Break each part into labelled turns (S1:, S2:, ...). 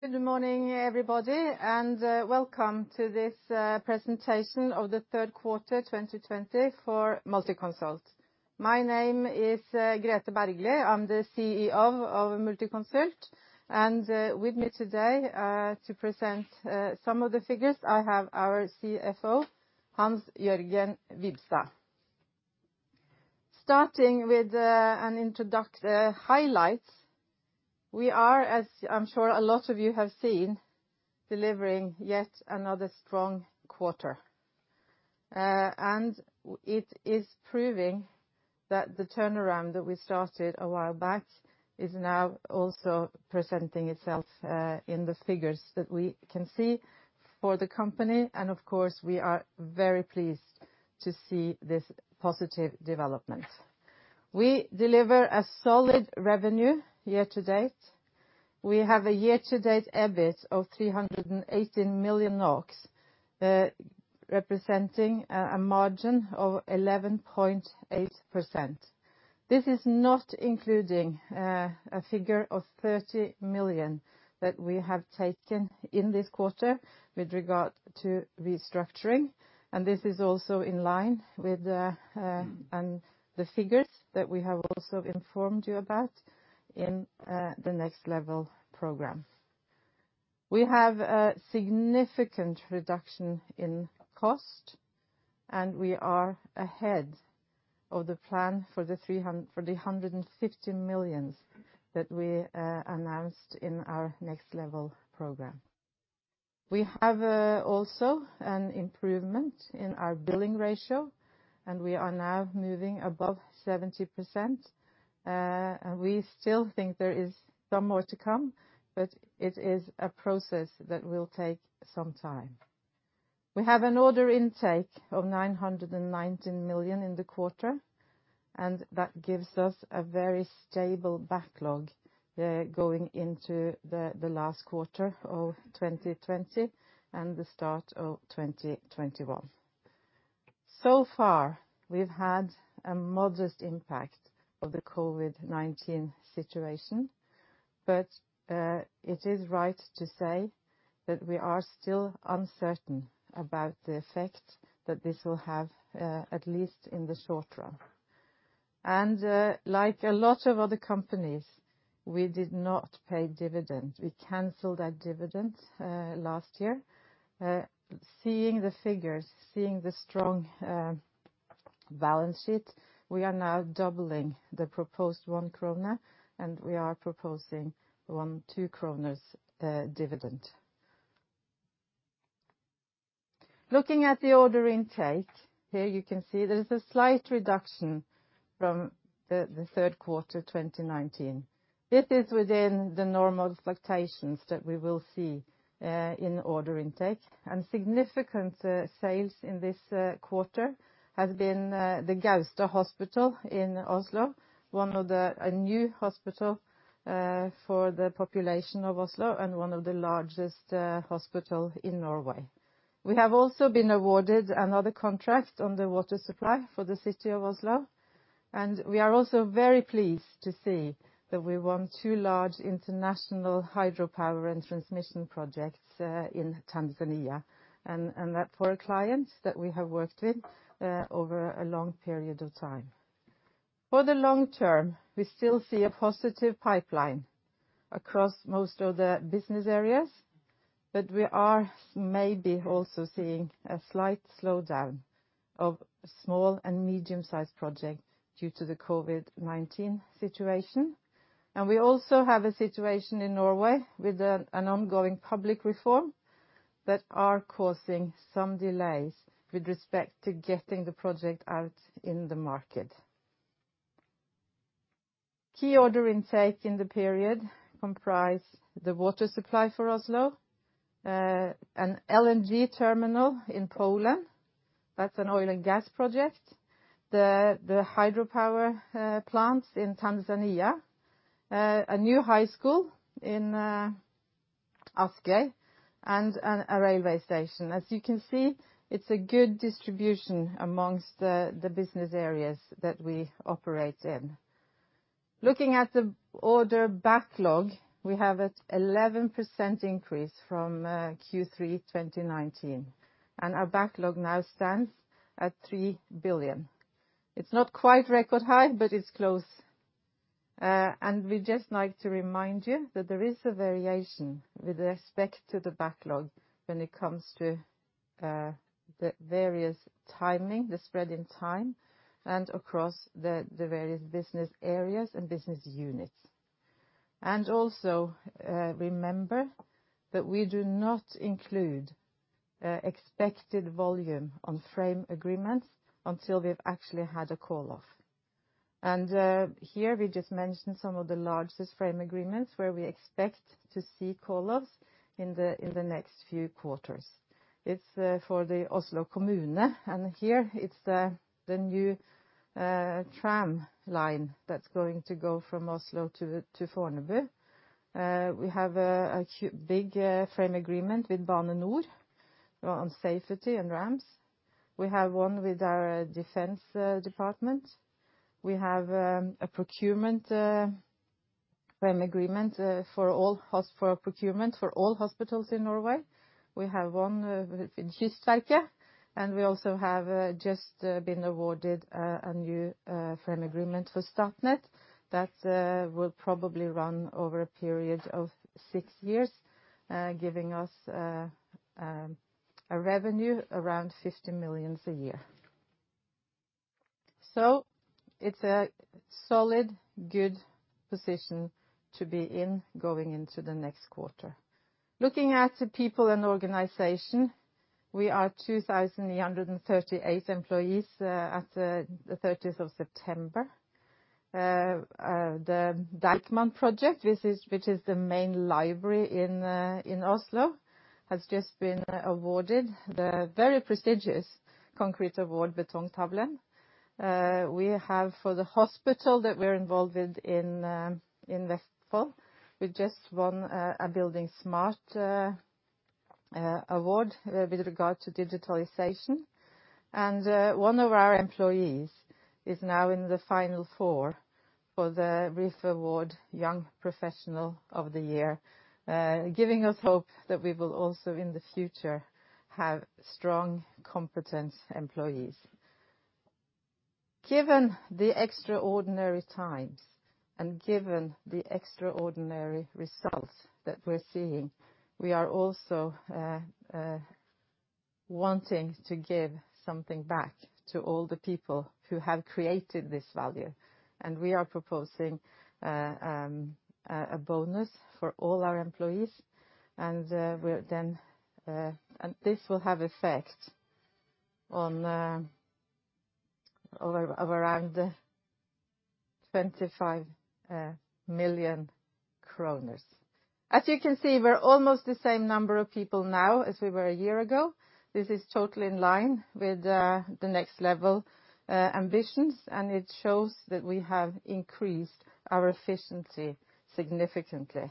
S1: Good morning, everybody, and welcome to this presentation of the third quarter 2020 for Multiconsult. My name is Grethe Bergly. I'm the CEO of Multiconsult, and with me today to present some of the figures, I have our CFO, Hans-Jørgen Wibstad. Starting with an introductory highlight. We are, as I'm sure a lot of you have seen, delivering yet another strong quarter. It is proving that the turnaround that we started a while back is now also presenting itself in the figures that we can see for the company, and of course, we are very pleased to see this positive development. We deliver a solid revenue year to date. We have a year-to-date EBIT of 318 million NOK, representing a margin of 11.8%. This is not including a figure of 30 million that we have taken in this quarter with regard to restructuring, and this is also in line with the figures that we have also informed you about in the nextLEVEL program. We have a significant reduction in cost, and we are ahead of the plan for the 150 million that we announced in our nextLEVEL program. We have also an improvement in our billing ratio, and we are now moving above 70%. We still think there is some more to come, but it is a process that will take some time. We have an order intake of 919 million in the quarter, and that gives us a very stable backlog going into the last quarter of 2020 and the start of 2021. So far, we've had a modest impact of the COVID-19 situation, but it is right to say that we are still uncertain about the effect that this will have, at least in the short run. Like a lot of other companies, we did not pay dividends. We canceled our dividends last year. Seeing the figures, seeing the strong balance sheet, we are now doubling the proposed 1 krone, and we are proposing 2 kroner dividend. Looking at the order intake, here you can see there is a slight reduction from the third quarter 2019. This is within the normal fluctuations that we will see in order intake, and significant sales in this quarter have been the Gaustad Hospital in Oslo, a new hospital for the population of Oslo and one of the largest hospital in Norway. We have also been awarded another contract on the water supply for the city of Oslo, and we are also very pleased to see that we won two large international hydropower and transmission projects in Tanzania, and that for a client that we have worked with over a long period of time. For the long term, we still see a positive pipeline across most of the business areas, but we are maybe also seeing a slight slowdown of small and medium-sized projects due to the COVID-19 situation. We also have a situation in Norway with an ongoing public reform that are causing some delays with respect to getting the project out in the market. Key order intake in the period comprise the water supply for Oslo, an LNG terminal in Poland. That's an oil and gas project. The hydropower plants in Tanzania, a new high school in Asker, and a railway station. As you can see, it's a good distribution amongst the business areas that we operate in. Looking at the order backlog, we have an 11% increase from Q3 2019, and our backlog now stands at 3 billion. It's not quite record high, but it's close. We'd just like to remind you that there is a variation with respect to the backlog when it comes to the various timing, the spread in time, and across the various business areas and business units. Also, remember that we do not include expected volume on frame agreements until we've actually had a call-off. Here we just mentioned some of the largest frame agreements where we expect to see call-offs in the next few quarters. It's for the Oslo Kommune, here it's the new tram line that's going to go from Oslo to Fornebu. We have a big frame agreement with Bane NOR on safety and ramps. We have one with our defense department. We have a procurement frame agreement for procurement for all hospitals in Norway. We have one with Kystverket, we also have just been awarded a new frame agreement for Statnett that will probably run over a period of six years, giving us a revenue around 50 million a year. It's a solid, good position to be in going into the next quarter. Looking at the people and organization, we are 2,838 employees at the 30th of September. The Deichman project, which is the main library in Oslo, has just been awarded the very prestigious concrete award, with Betongtavlen. We have for the hospital that we're involved with in Vestfold, we just won a buildingSMART award with regard to digitalization. One of our employees is now in the final four for the RIF Award Young Professional of the Year, giving us hope that we will also in the future have strong, competent employees. Given the extraordinary times and given the extraordinary results that we're seeing, we are also wanting to give something back to all the people who have created this value, and we are proposing a bonus for all our employees. This will have effect of around 25 million kroner. As you can see, we're almost the same number of people now as we were a year ago. This is totally in line with the nextLEVEL ambitions, it shows that we have increased our efficiency significantly.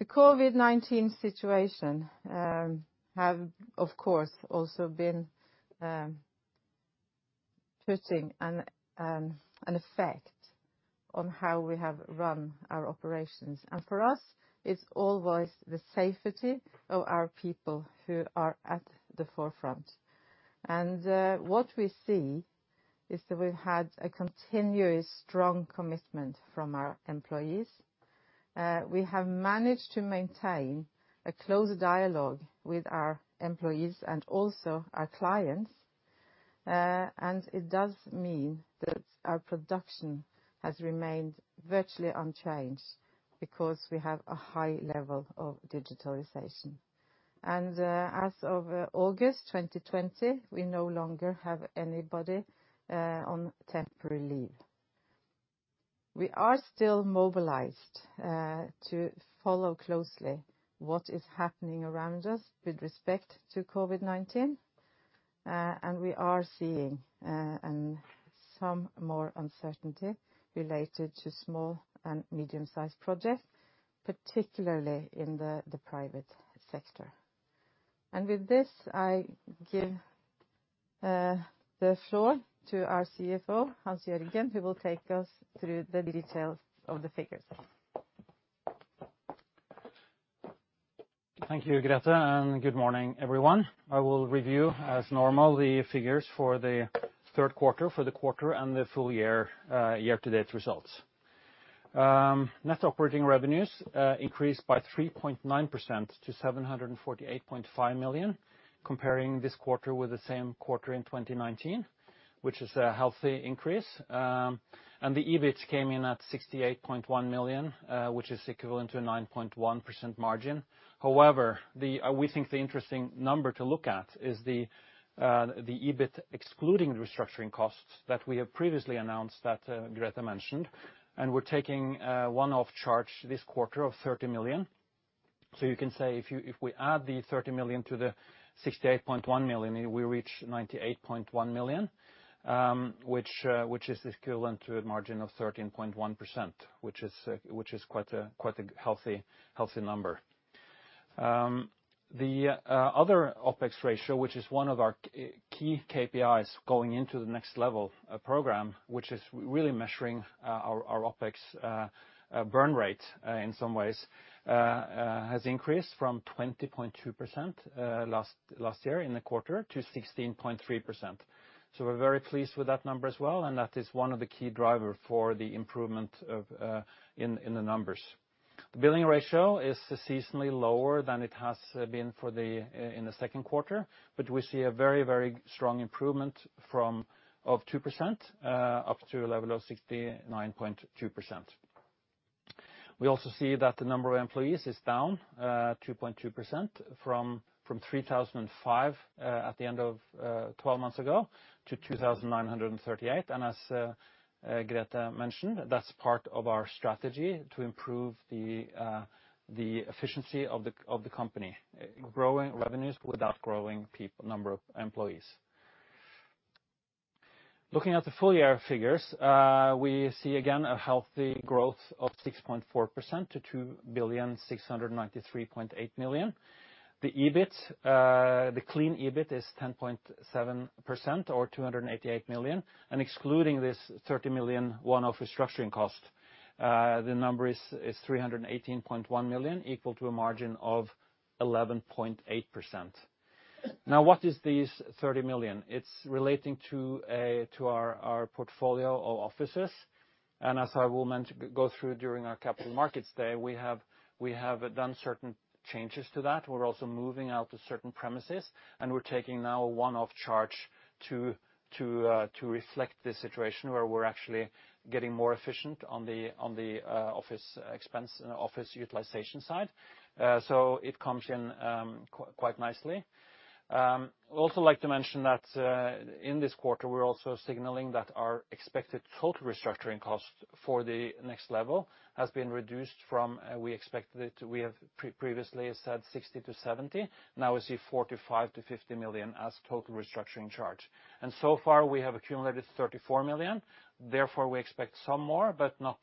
S1: The COVID-19 situation have, of course, also been putting an effect on how we have run our operations. For us, it's always the safety of our people who are at the forefront. What we see is that we've had a continuous strong commitment from our employees. We have managed to maintain a close dialogue with our employees and also our clients. It does mean that our production has remained virtually unchanged because we have a high level of digitalization. As of August 2020, we no longer have anybody on temporary leave. We are still mobilized to follow closely what is happening around us with respect to COVID-19, and we are seeing some more uncertainty related to small and medium-sized projects, particularly in the private sector. With this, I give the floor to our CFO, Hans-Jørgen, who will take us through the details of the figures.
S2: Thank you, Grethe, good morning, everyone. I will review, as normal, the figures for the third quarter, for the quarter and the full year-to-date results. Net operating revenues increased by 3.9% to 748.5 million, comparing this quarter with the same quarter in 2019, which is a healthy increase. The EBIT came in at 68.1 million, which is equivalent to a 9.1% margin. However, we think the interesting number to look at is the EBIT excluding the restructuring costs that we have previously announced that Grethe mentioned. We're taking a one-off charge this quarter of 30 million. You can say, if we add the 30 million to the 68.1 million, we reach 98.1 million, which is equivalent to a margin of 13.1%, which is quite a healthy number. The other OpEx ratio, which is one of our key KPIs going into the nextLEVEL program, which is really measuring our OpEx burn rate in some ways, has increased from 20.2% last year in the quarter to 16.3%. We're very pleased with that number as well, and that is one of the key driver for the improvement in the numbers. The billing ratio is seasonally lower than it has been in the second quarter, but we see a very strong improvement of 2%, up to a level of 69.2%. We also see that the number of employees is down 2.2% from 3,005 at the end of 12 months ago to 2,938. As Grethe mentioned, that's part of our strategy to improve the efficiency of the company, growing revenues without growing number of employees. Looking at the full-year figures, we see again a healthy growth of 6.4% to 2,693.8 million. The clean EBIT is 10.7% or 288 million, and excluding this 30 million one-off restructuring cost, the number is 318.1 million, equal to a margin of 11.8%. What is these 30 million? It's relating to our portfolio of offices, and as I will go through during our Capital Markets Day, we have done certain changes to that. We're also moving out of certain premises, and we're taking now a one-off charge to reflect the situation where we're actually getting more efficient on the office utilization side. It comes in quite nicely. Also like to mention that in this quarter, we're also signaling that our expected total restructuring cost for the nextLEVEL has been reduced from we have previously said 60 million-70 million, now we see 45 million-50 million as total restructuring charge. So far, we have accumulated 34 million. Therefore, we expect some more, but not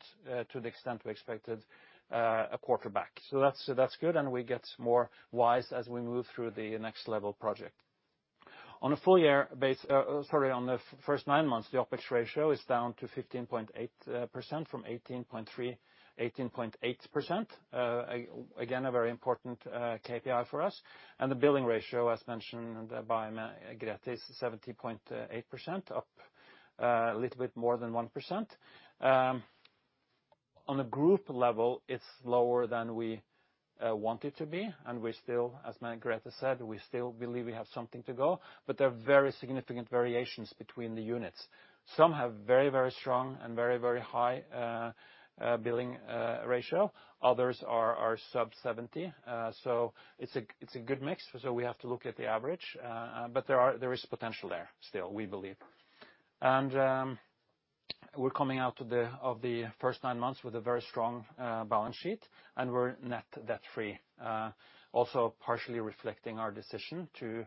S2: to the extent we expected a quarter back. That's good, and we get more wise as we move through the nextLEVEL project. On the first nine months, the OpEx ratio is down to 15.8% from 18.8%. Again, a very important KPI for us. The billing ratio, as mentioned by Grethe, is 70.8%, up a little bit more than 1%. On a group level, it's lower than we want it to be. We still, as Grethe said, we still believe we have something to go. There are very significant variations between the units. Some have very strong and very high billing ratio. Others are sub-70. It's a good mix. We have to look at the average. There is potential there still, we believe. We're coming out of the first nine months with a very strong balance sheet, and we're net debt-free. Also partially reflecting our decision to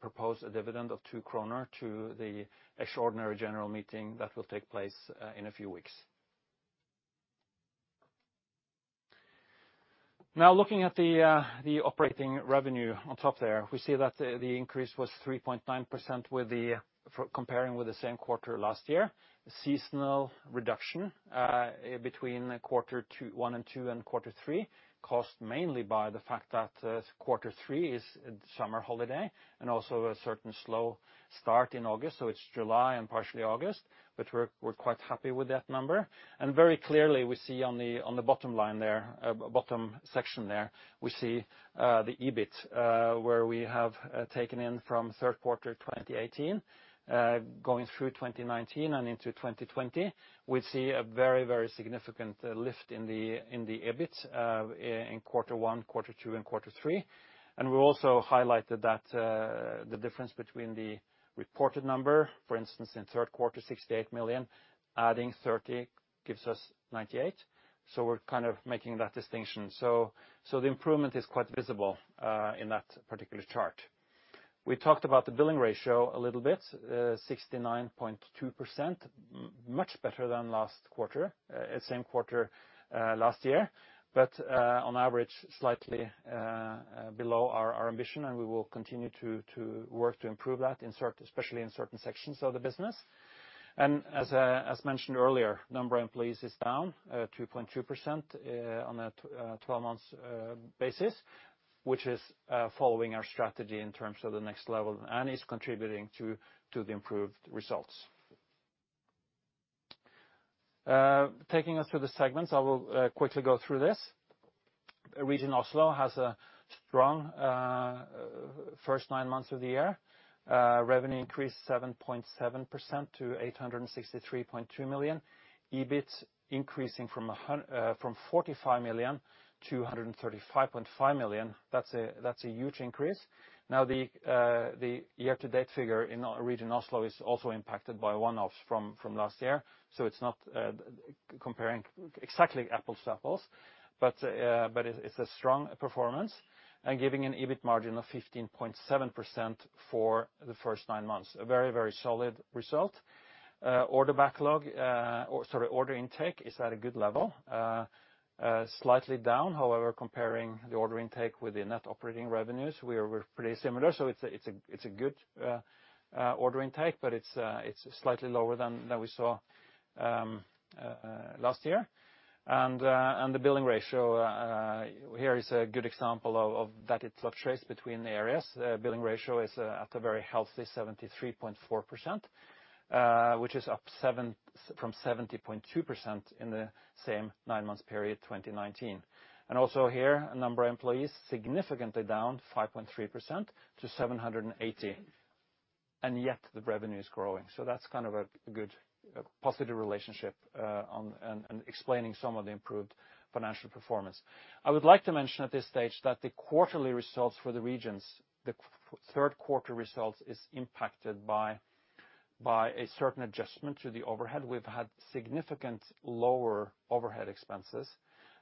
S2: propose a dividend of 2 kroner to the extraordinary general meeting that will take place in a few weeks. Looking at the operating revenue on top there, we see that the increase was 3.9% comparing with the same quarter last year. Seasonal reduction between quarter one and two and quarter three, caused mainly by the fact that quarter three is summer holiday and also a certain slow start in August. It's July and partially August, but we're quite happy with that number. Very clearly, we see on the bottom section there, we see the EBIT, where we have taken in from third quarter 2018, going through 2019 and into 2020. We see a very significant lift in the EBIT in quarter one, quarter two, and quarter three. We also highlighted that the difference between the reported number, for instance, in third quarter, 68 million, adding 30 million gives us 98 million. We're kind of making that distinction. The improvement is quite visible in that particular chart. We talked about the billing ratio a little bit, 69.2%, much better than same quarter last year, but on average, slightly below our ambition. We will continue to work to improve that, especially in certain sections of the business. As mentioned earlier, number of employees is down 2.2% on a 12 months basis, which is following our strategy in terms of the nextLEVEL and is contributing to the improved results. Taking us through the segments, I will quickly go through this. Region Oslo has a strong first nine months of the year. Revenue increased 7.7% to 863.2 million. EBIT increasing from 45 million to 135.5 million. That's a huge increase. The year-to-date figure in Region Oslo is also impacted by one-offs from last year. It is not comparing exactly apples to apples. It's a strong performance and giving an EBIT margin of 15.7% for the first nine months. A very solid result. Order intake is at a good level. Slightly down, however, comparing the order intake with the net operating revenues, we're pretty similar. It's a good order intake, but it's slightly lower than we saw last year. The billing ratio here is a good example of that it fluctuates between the areas. Billing ratio is at a very healthy 73.4%, which is up from 70.2% in the same nine months period 2019. Also here, number of employees significantly down 5.3% to 780. Yet the revenue is growing. That's kind of a good positive relationship and explaining some of the improved financial performance. I would like to mention at this stage that the quarterly results for the regions, the third quarter results is impacted by a certain adjustment to the overhead. We've had significant lower overhead expenses,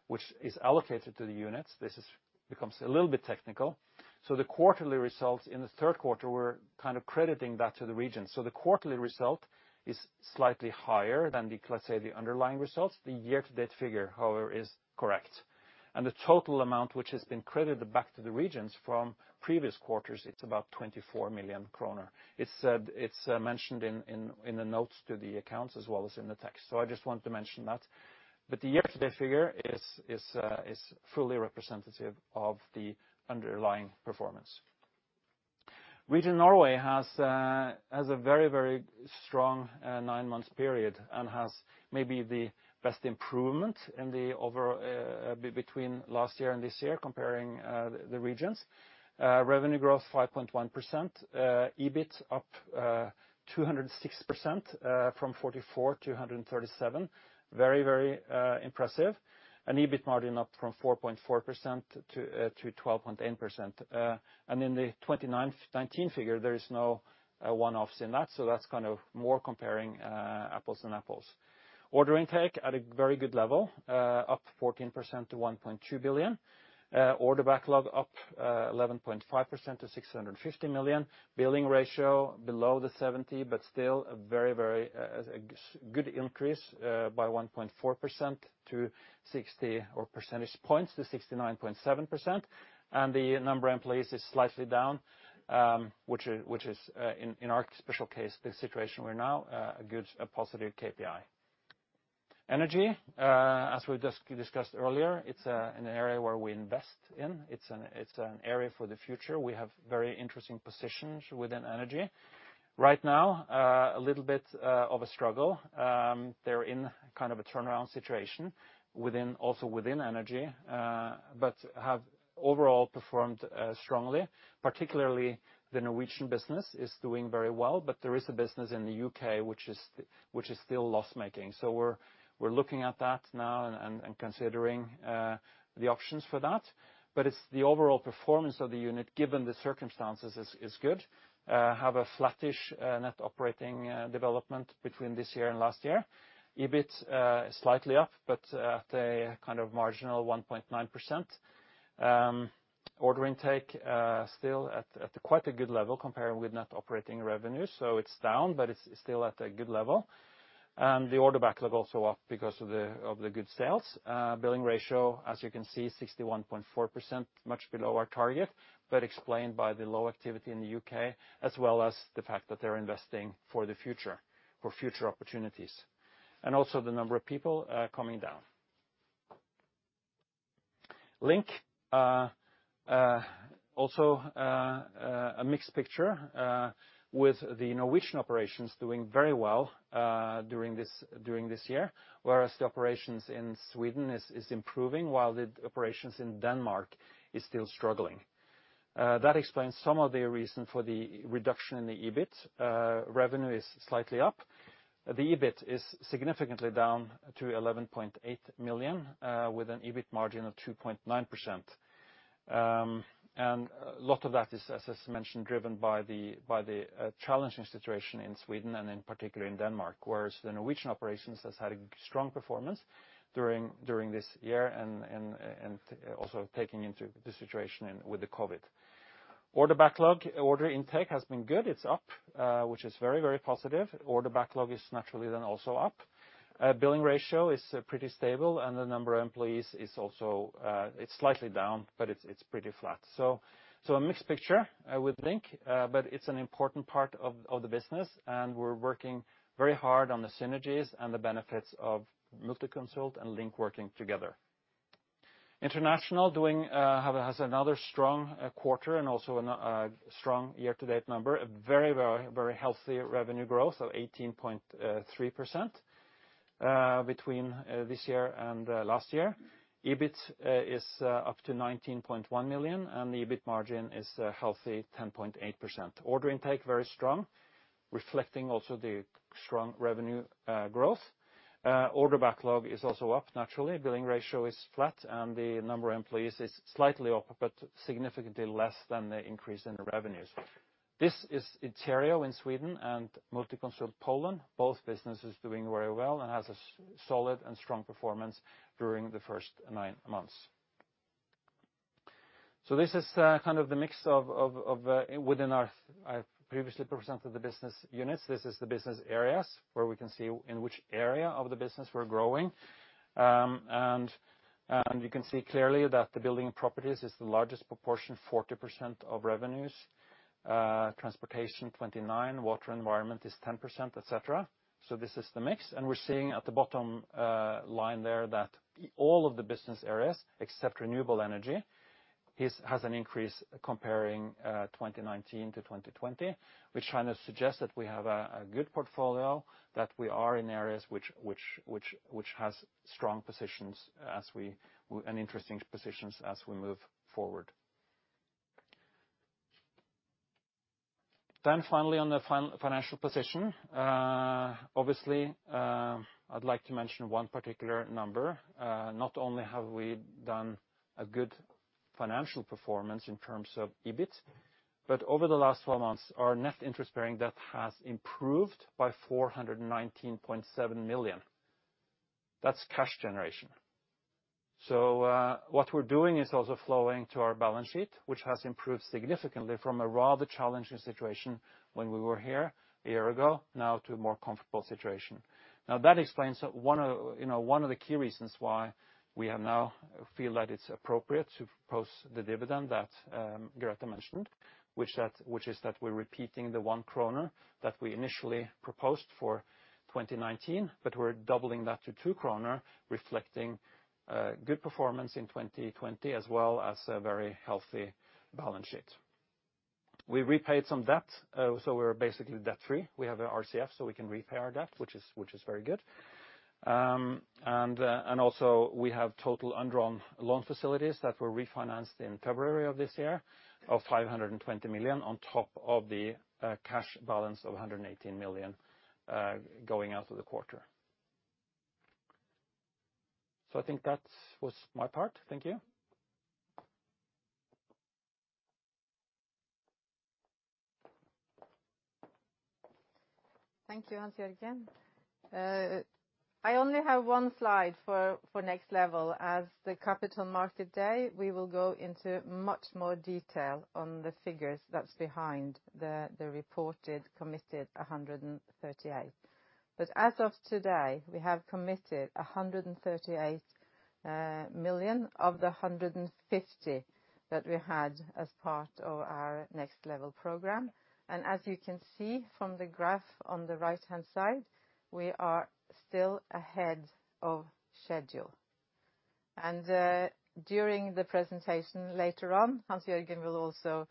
S2: which is allocated to the units. This becomes a little bit technical. The quarterly results in the third quarter were kind of crediting that to the region. The quarterly result is slightly higher than, let's say, the underlying results. The year-to-date figure, however, is correct. The total amount which has been credited back to the regions from previous quarters, it's about 24 million kroner. It's mentioned in the notes to the accounts as well as in the text. I just wanted to mention that. The year-to-date figure is fully representative of the underlying performance. Region Norway has a very strong nine-month period and has maybe the best improvement between last year and this year, comparing the regions. Revenue growth 5.1%, EBIT up 206% from 44 million to 137 million. Very impressive. EBIT margin up from 4.4% -12.8%. In the 2019 figure, there is no one-offs in that, so that's more comparing apples and apples. Order intake at a very good level, up 14% to 1.2 billion. Order backlog up 11.5% to 650 million. Billing ratio below the 70%, but still a very good increase by 1.4% -60% or percentage points to 69.7%. The number of employees is slightly down, which is, in our special case, the situation we're now, a good positive KPI. Energy, as we discussed earlier, it's an area where we invest in. It's an area for the future. We have very interesting positions within energy. Right now, a little bit of a struggle. They're in kind of a turnaround situation also within energy, but have overall performed strongly. Particularly the Norwegian business is doing very well, but there is a business in the U.K. which is still loss-making. We're looking at that now and considering the options for that. The overall performance of the unit, given the circumstances, is good. Have a flattish net operating development between this year and last year. EBIT slightly up, but at a kind of marginal 1.9%. Order intake still at quite a good level compared with net operating revenues. It's down, but it's still at a good level. The order backlog also up because of the good sales. Billing ratio, as you can see, 61.4%, much below our target, but explained by the low activity in the U.K., as well as the fact that they're investing for the future, for future opportunities. Also the number of people coming down. LINK, also a mixed picture with the Norwegian operations doing very well during this year, whereas the operations in Sweden is improving, while the operations in Denmark is still struggling. That explains some of the reason for the reduction in the EBIT. Revenue is slightly up. The EBIT is significantly down to 11.8 million, with an EBIT margin of 2.9%. A lot of that is, as mentioned, driven by the challenging situation in Sweden and in particular in Denmark, whereas the Norwegian operations has had a strong performance during this year and also taking into the situation with the COVID. Order backlog, order intake has been good. It's up, which is very positive. Order backlog is naturally also up. billing ratio is pretty stable, and the number of employees it's slightly down, but it's pretty flat. A mixed picture with LINK, but it's an important part of the business, and we're working very hard on the synergies and the benefits of Multiconsult and LINK working together. International has another strong quarter and also a strong year-to-date number. A very healthy revenue growth of 18.3% between this year and last year. EBIT is up to 19.1 million, and the EBIT margin is a healthy 10.8%. Order intake, very strong, reflecting also the strong revenue growth. Order backlog is also up, naturally. billing ratio is flat, and the number of employees is slightly up, but significantly less than the increase in the revenues. This is Iterio in Sweden and Multiconsult Poland, both businesses doing very well and has a solid and strong performance during the first nine months. This is kind of the mix. I previously presented the business units. This is the business areas where we can see in which area of the business we're growing. You can see clearly that the building and properties is the largest proportion, 40% of revenues. Transportation, 29%. Water and environment is 10%, et cetera. This is the mix. We're seeing at the bottom line there that all of the business areas, except renewable energy, has an increase comparing 2019 to 2020, which kind of suggests that we have a good portfolio, that we are in areas which has strong positions and interesting positions as we move forward. Finally, on the financial position. Obviously, I'd like to mention one particular number. Not only have we done a good financial performance in terms of EBIT, but over the last 12 months, our net interest-bearing debt has improved by 419.7 million. That's cash generation. What we're doing is also flowing to our balance sheet, which has improved significantly from a rather challenging situation when we were here a year ago to a more comfortable situation. That explains one of the key reasons why we now feel that it's appropriate to post the dividend that Grethe mentioned, which is that we're repeating the 1 kroner that we initially proposed for 2019, but we're doubling that to 2 kroner, reflecting good performance in 2020 as well as a very healthy balance sheet. We repaid some debt, so we're basically debt-free. We have our RCF so we can repay our debt, which is very good. We have total undrawn loan facilities that were refinanced in February of this year of 520 million on top of the cash balance of 118 million going out of the quarter. I think that was my part. Thank you.
S1: Thank you, Hans-Jørgen. I only have one slide for nextLEVEL. At the Capital Markets Day, we will go into much more detail on the figures that's behind the reported committed 138 million. As of today, we have committed 138 million of the 150 million that we had as part of our nextLEVEL program. As you can see from the graph on the right-hand side, we are still ahead of schedule. During the presentation later on, Hans-Jørgen will also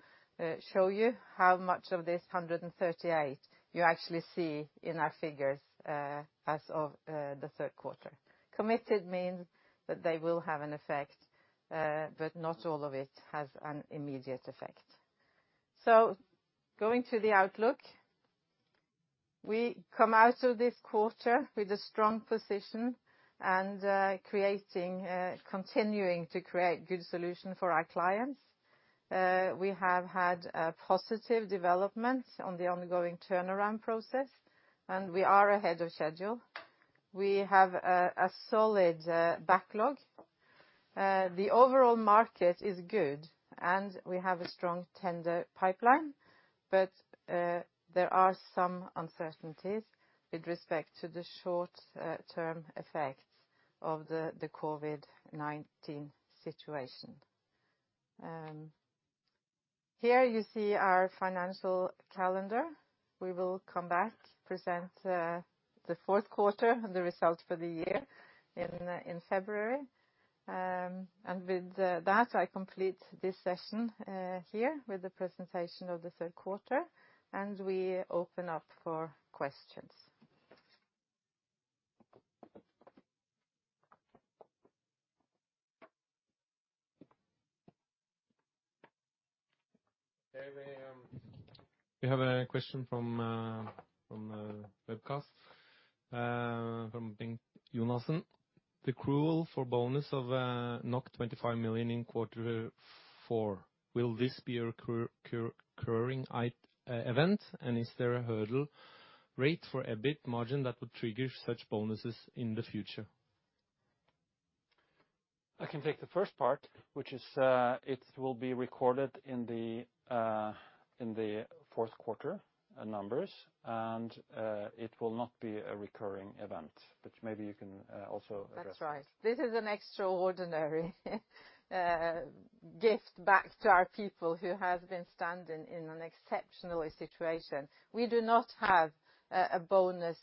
S1: show you how much of this 138 million you actually see in our figures as of the third quarter. Committed means that they will have an effect, but not all of it has an immediate effect. Going to the outlook, we come out of this quarter with a strong position and continuing to create good solutions for our clients. We have had a positive development on the ongoing turnaround process, and we are ahead of schedule. We have a solid backlog. The overall market is good, and we have a strong tender pipeline, but there are some uncertainties with respect to the short-term effects of the COVID-19 situation. Here you see our financial calendar. We will come back, present the fourth quarter and the results for the year in February. With that, I complete this session here with the presentation of the third quarter, and we open up for questions.
S3: We have a question from the webcast, from [Bingt Jonassen. The accrual for bonus of 25 million in quarter four, will this be a recurring event? Is there a hurdle rate for EBIT margin that would trigger such bonuses in the future?
S2: I can take the first part, which is, it will be recorded in the fourth quarter numbers, and it will not be a recurring event. Maybe you can also address.
S1: That's right. This is an extraordinary gift back to our people who have been standing in an exceptional situation. We do not have a bonus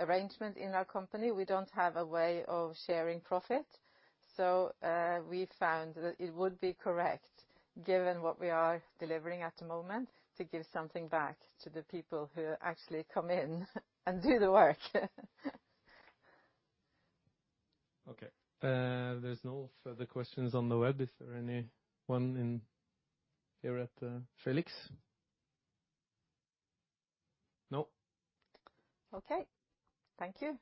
S1: arrangement in our company. We don't have a way of sharing profit. We found that it would be correct, given what we are delivering at the moment, to give something back to the people who actually come in and do the work.
S3: Okay. There is no further questions on the web. Is there any one in here at Felix? No.
S1: Okay. Thank you.